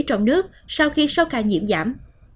trong nước sau khi sâu ca nhiễm giảm